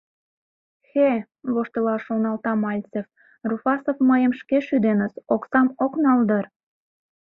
«Хе, — воштылал шоналта Мальцев, — Руфасов мыйым шке шӱденыс, оксам ок нал дыр...»